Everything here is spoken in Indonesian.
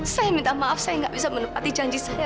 saya minta maaf saya nggak bisa menepati janji saya